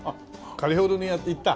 カリフォルニア行った？